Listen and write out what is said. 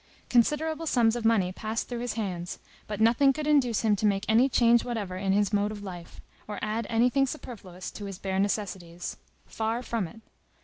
Considerable sums of money passed through his hands, but nothing could induce him to make any change whatever in his mode of life, or add anything superfluous to his bare necessities. Far from it.